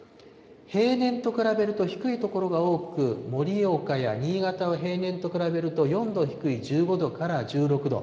平年と比べると低い所が多く、盛岡や新潟は平年と比べると４度低い１５度から１６度。